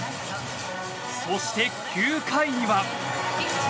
そして、９回には。